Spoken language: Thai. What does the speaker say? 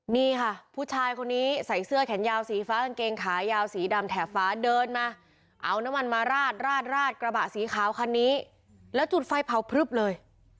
นี่ค่ะผู้ชายคนนี้ใส่เสื้อแขนยาวสีฟ้ากางเกงขายาวสีดำแถบฟ้าเดินมาเอาน้ำมันมาราดราดกระบะสีขาวคันนี้แล้วจุดไฟเผาพลึบเลย